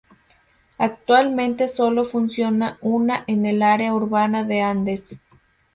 Actualmente sólo funciona una en el área urbana de Andes.